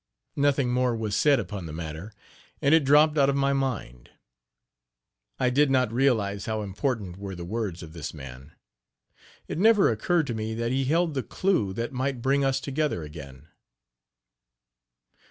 " Nothing more was said upon the matter, and it dropped out of my mind. I did not realize how important were the words of this man. It never occured to me that he held the clew that might bring us together again.